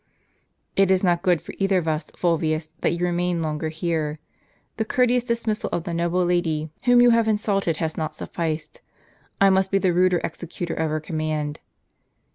"It is not good for either of us, Fulvius, that you remain longer here. The courteous dismissal of the noble lady whom you have insulted has not sufficed; I must be the ruder executor of her command."